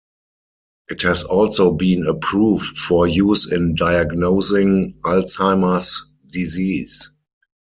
It has also been approved for use in diagnosing Alzheimer's disease.